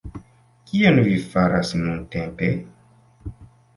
Kion vi faras nuntempe?